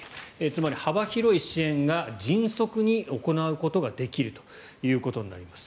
つまり幅広い支援が迅速に行うことができるということになります。